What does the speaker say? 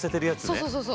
そうそうそうそう。